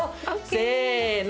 せの。